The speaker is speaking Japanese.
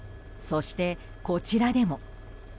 そして、こちらでも。